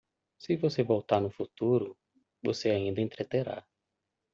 Se você voltar no futuro, você ainda entreterá